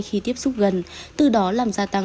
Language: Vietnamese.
khi tiếp xúc gần từ đó làm gia tăng